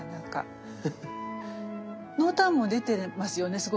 濃淡も出てますよね